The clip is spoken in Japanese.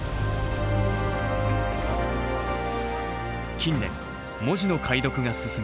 近年文字の解読が進み